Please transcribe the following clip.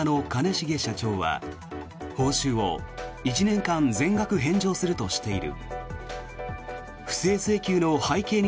重社長は報酬を１年間全額返上するとしている。